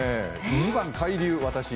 ２番海流。